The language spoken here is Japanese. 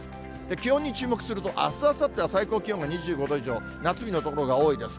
気温に注目すると、あす、あさっては最高気温は２５度以上、夏日の所が多いです。